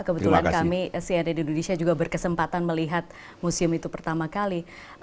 kebetulan kami cnn indonesia juga berkesempatan melihat museum itu pertama kali